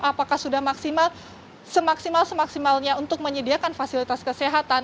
apakah sudah semaksimal semaksimalnya untuk menyediakan fasilitas kesehatan